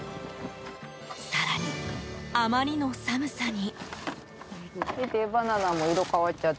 更に、あまりの寒さに。